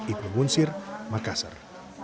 ibu munsir makassar